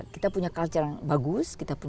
kita punya culture yang bagus